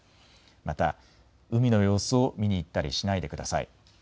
また海の様子を見に行ったりしないでください。